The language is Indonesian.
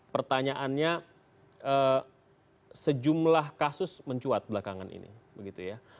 pertanyaannya sejumlah kasus mencuat belakangan ini begitu ya